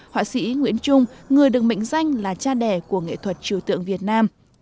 họa sĩ nguyễn trung người được mệnh danh là cha đẻ của nghệ thuật trừ tượng việt nam